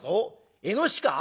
イノシシか？